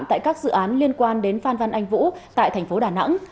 tại các dự án liên quan đến phan văn anh vũ tại tp đà nẵng